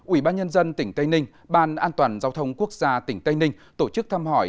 ủy ban nhân dân tỉnh tây ninh ban an toàn giao thông quốc gia tỉnh tây ninh tổ chức thăm hỏi